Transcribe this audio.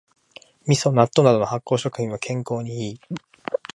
みそ、納豆などの発酵食品は健康にいい